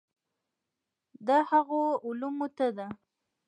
دا هغو علومو ته ده.